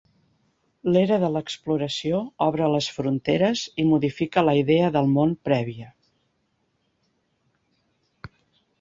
L'era de l'exploració obre les fronteres i modifica la idea del món prèvia.